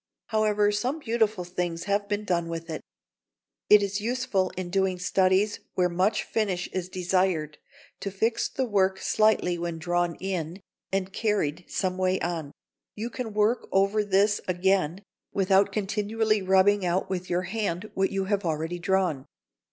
However, some beautiful things have been done with it. It is useful in doing studies where much finish is desired, to fix the work slightly when drawn in and carried some way on. You can work over this again without continually rubbing out with your hand what you have already drawn.